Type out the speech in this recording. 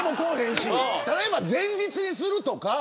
例えば前日にするとか。